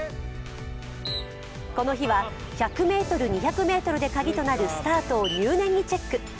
この日は、１００ｍ、２００ｍでカギとなるスタートを入念にチェック。